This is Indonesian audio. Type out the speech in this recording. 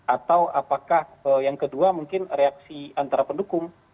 atau apakah yang kedua mungkin reaksi antara pendukung